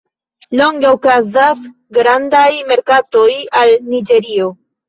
Longe okazas grandaj merkatoj al Niĝerio.